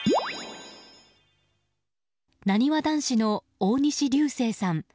なにわ男子の大西流星さん